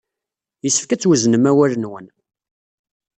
Yessefk ad twezznem awal-nwen.